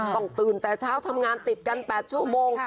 ตื่นแต่เช้าทำงานติดกัน๘ชั่วโมง